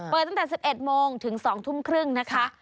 ตั้งแต่๑๑โมงถึง๒ทุ่มครึ่งนะคะ